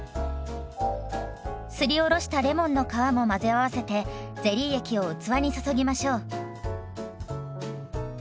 すりおろしたレモンの皮も混ぜ合わせてゼリー液を器に注ぎましょう。